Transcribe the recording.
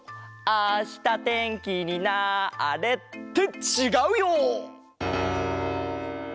あしたてんきになれ！ってちがうよ！